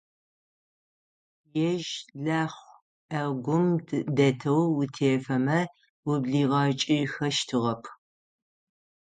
Ежь Лахъу Ӏэгум дэтэу утефэмэ, ублигъэкӀыхэщтыгъэп.